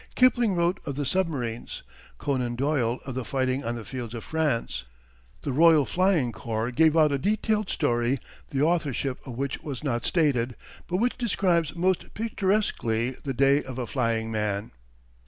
Kipling wrote of the submarines, Conan Doyle of the fighting on the fields of France. The Royal Flying Corps gave out a detailed story the authorship of which was not stated, but which describes most picturesquely the day of a flying man.